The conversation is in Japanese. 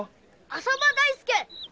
浅葉大介！